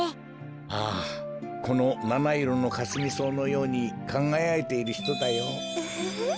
ああこのなないろのカスミソウのようにかがやいているひとだよ。